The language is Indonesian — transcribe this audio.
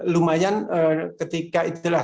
lumayan ketika itulah